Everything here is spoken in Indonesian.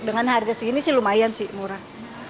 dengan harga segini sih lumayan sih murah